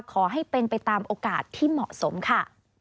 ขอให้เป็นไปตามโอกาสที่เหมาะสมค่ะ